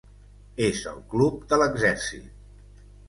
És el club de l'exèrcit.